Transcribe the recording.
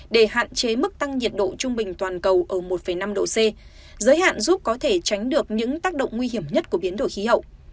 để hạn chế mức tăng nhiệt độ trung bình toàn cầu ở một năm độ c giới hạn giúp có thể tránh được những tác động nguy hiểm nhất của biến đổi khí hậu